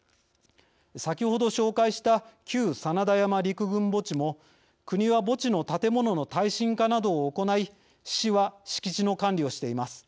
先ほど紹介した旧真田山陸軍墓地も国は墓地の建物の耐震化などを行い市は敷地の管理をしています。